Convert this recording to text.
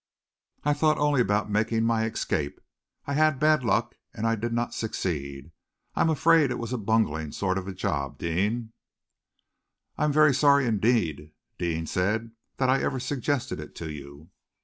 I thought only about making my escape. I had bad luck, and I did not succeed. I am afraid it was a bungling sort of job, Deane." "I am very sorry indeed," Deane said, "that I ever suggested it to you."